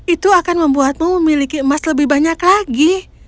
itu akan membuatmu memiliki emas lebih banyak lagi